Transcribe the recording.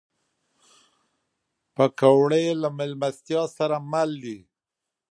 پکورې له میلمستیا سره مل دي